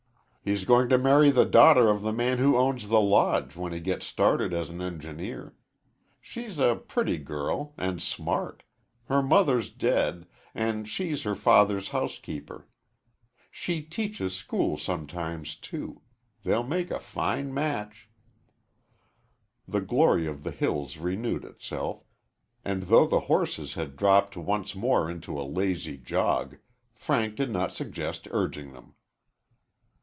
He's going to marry the daughter of the man who owns the Lodge when he gets started as an engineer. She's a pretty girl, and smart. Her mother's dead, and she's her father's housekeeper. She teaches school sometimes, too. They'll make a fine match." The glory of the hills renewed itself, and though the horses had dropped once more into a lazy jog, Frank did not suggest urging them.